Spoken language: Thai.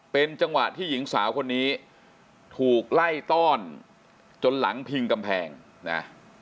เป็นจังหวะที่หญิงสาวคนนี้ถูกไล่ต้อนจนหลังพิงกำแพงนะ